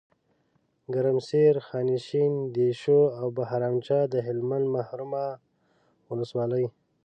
ګرمسیر، خانشین، دیشو او بهرامچه دهلمند محرومه ولسوالۍ